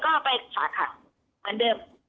ก็ไปฝากขังเหมือนเดิม